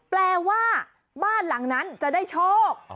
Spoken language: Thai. แปลว่าบ้านหลังนั้นจะได้โชค